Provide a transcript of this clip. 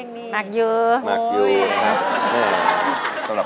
อเรนนี่มันดีค่ะเพราะว่าทางเรามึ่นตึ๊บเลยค่ะจินตลา